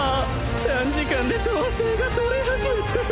短時間で統制がとれ始めた